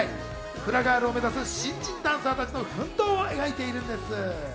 フラガールを目指す新人ダンサーたちの奮闘を描いているんです。